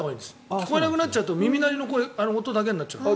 聞こえなくなっちゃうと耳鳴りの音だけになっちゃうから。